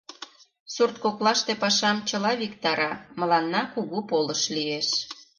Сурт коклаште пашам чыла виктара, мыланна кугу полыш лиеш.